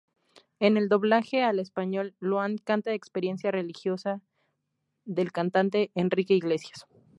En el doblaje al español Luan canta "Experiencia religiosa" del cantante Enrique Iglesias.